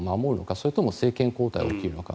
それとも政権交代が起きるのか。